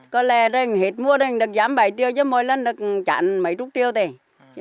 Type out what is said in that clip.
có lẽ hết mua được giảm bảy triệu mỗi lần chẳng mấy chút triệu